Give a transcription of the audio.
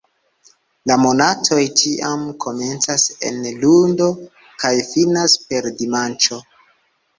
La monatoj ĉiam komencas en lundo kaj finas per dimanĉo.